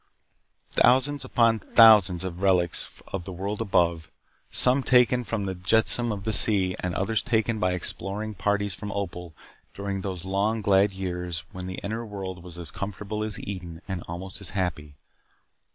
Thousands upon thousands of relics of the world above some taken from the jetsam of the sea and others taken by exploring parties from Opal during those long glad years when the inner world was as comfortable as Eden and almost as happy.